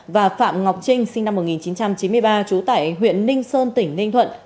và phạm ngọc trinh sinh năm một nghìn chín trăm chín mươi ba trú tại huyện ninh sơn tỉnh ninh thuận